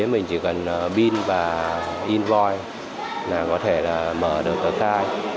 mình chỉ cần bin và invoice là có thể là mở được ở khai